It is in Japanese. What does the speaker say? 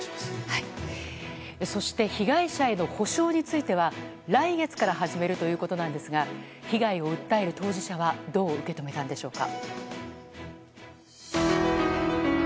被害者への補償については来月から始めるということですが被害を訴える当事者はどう受け止めたんでしょうか。